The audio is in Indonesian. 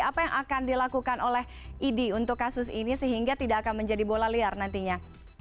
apa yang akan dilakukan oleh idi untuk kasus ini sehingga tidak akan menjadi bola liar nantinya